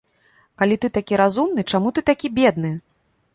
Калі ты такі разумны, чаму ты такі бедны?